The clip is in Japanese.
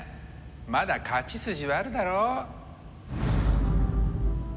まだ勝ち筋はあるだろ？